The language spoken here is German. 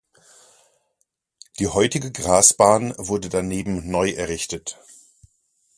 Die heutige Grasbahn wurde daneben neu errichtet.